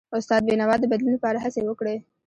استاد بینوا د بدلون لپاره هڅې وکړي.